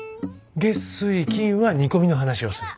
月・水・金は煮込みの話をする。